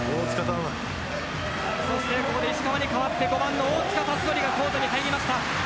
そして、ここで石川に代わって５番の大塚達宣がコートに入りました。